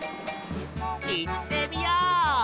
いってみよう！